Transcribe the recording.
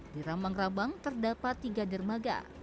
di rambang rambang terdapat tiga dermaga